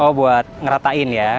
oh buat ngeratain ya